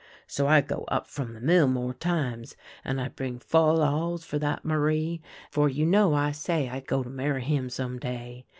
So I go up from the mill more times, and I bring fol lols for that Marie, for you know I said I go to marry him some day.